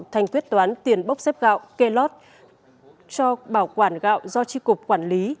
thành quyết toán tiền bốc xếp gạo kê lót cho bảo quản gạo do tri cục quản lý